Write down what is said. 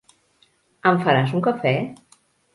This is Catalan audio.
Em faràs un cafè?